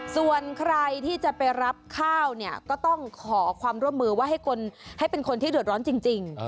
ส่วนใครที่จะไปรับข้าวเนี่ยก็ต้องขอความร่วมมือว่าให้เป็นคนที่เดือดร้อนจริง